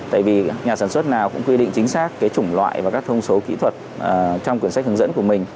tại vì nhà sản xuất nào cũng quy định chính xác cái chủng loại và các thông số kỹ thuật trong quyển sách hướng dẫn của mình